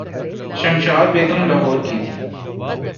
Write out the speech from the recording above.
شمشاد بیگم لاہورکی تھیں۔